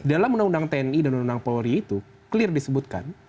dalam undang undang tni dan undang undang polri itu clear disebutkan